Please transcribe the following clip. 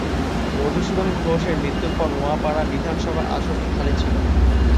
মধুসূদন ঘোষ এর মৃত্যুর পর নোয়াপাড়া বিধানসভা আসনটি খালি ছিল।